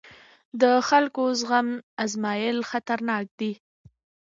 د خلکو زغم ازمېیل خطرناک دی